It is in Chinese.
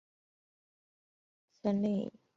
孔令贻和侧室王宝翠育有二女一子。